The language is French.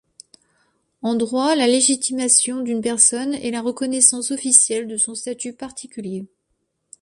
En droit, la légitimation d'une personne est la reconnaissance officielle de son statut particulier.